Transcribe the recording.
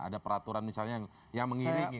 ada peraturan misalnya yang mengiringi